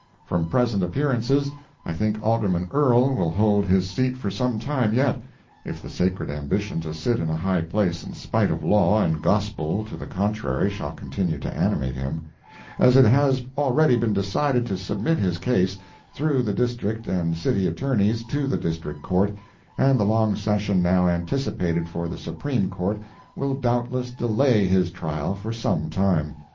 From present appearances, I think Alderman Earl will hold his seat for some time yet (if the sacred ambition to sit in a high place in spite of law and gospel to the contrary shall continue to animate him), as it has already been decided to submit his case, through the District and City Attorneys, to the District Court, and the long session now anticipated for the Supreme Court, will doubtless delay his trial for some time.